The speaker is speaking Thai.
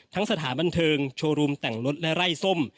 สถานบันเทิงโชว์รูมแต่งรถและไล่ส้ม